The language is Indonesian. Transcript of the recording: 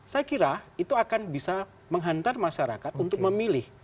saya kira itu akan bisa menghantar masyarakat untuk memilih